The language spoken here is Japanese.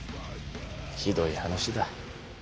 ひどい話だ。